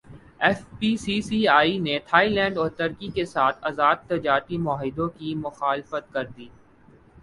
F P C C I نے Thailand اور ترکی کیساتھ ازاد تجارتی معاہدوں کی مخالفت کردی